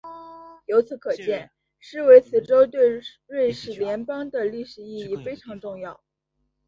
由此可见施维茨州对瑞士邦联的历史意义非常重要。